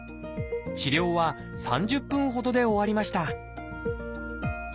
治療は３０分ほどで終わりました